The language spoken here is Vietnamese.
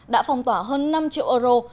đã phong tỏa hơn năm triệu euro